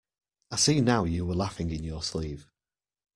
I see now you were laughing in your sleeve.